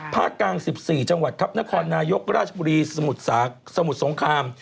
ภาคกลาง๑๔จังหวัดครับนครนายกราชบุรีสมุทรสงคราม